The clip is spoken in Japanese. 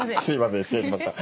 失礼しました。